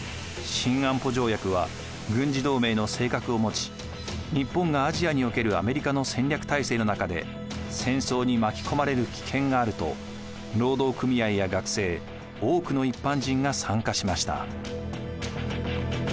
新安保条約は軍事同盟の性格を持ち日本がアジアにおけるアメリカの戦略体制の中で戦争に巻き込まれる危険があると労働組合や学生多くの一般人が参加しました。